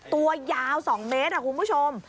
ตัวยาวสองเมตรอ่ะคุณผู้ชม